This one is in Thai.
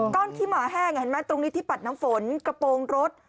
ก้อนขี้หมาแห้งตรงนี้ที่ปัดน้ำฝนกระโปรงรถ